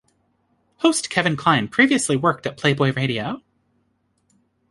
Host Kevin Klein previously worked at Playboy Radio.